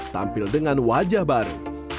tampil dengan wajah baru